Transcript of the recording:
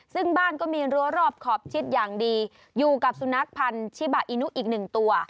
ซึ่งบ้านก็มีรั้วรอบขอบชิดอย่างดีอยู่กับสุนัขพันธิบาอินุอีกหนึ่งตัว